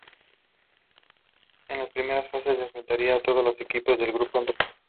En la primera fase se enfrentarán todos los equipos del grupo entre sí.